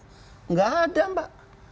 tidak ada pak